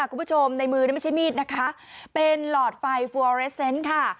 คุณผู้ชมในมือนี่ไม่ใช่มีดนะคะเป็นหลอดไฟฟัวเรสเซนต์ค่ะ